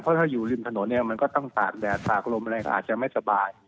เพราะถ้าอยู่ริมถนนเนี่ยมันก็ต้องตากแดดตากลมอะไรก็อาจจะไม่สบาย